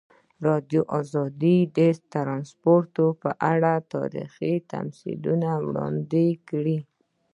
ازادي راډیو د ترانسپورټ په اړه تاریخي تمثیلونه وړاندې کړي.